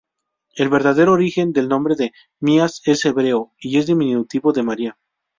El verdadero origen del nombre de Mía es hebreo, y es diminutivo de María.